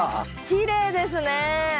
きれいですね。